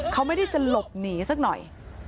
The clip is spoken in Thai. เขาไม่ได้จะหลบหนีสักหน่อย